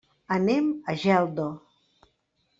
Anem a Geldo.